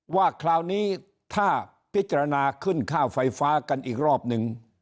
ว่าคราวนี้ถ้าพิจารณาขึ้นค่าไฟฟ้ากันอีกรอบนึง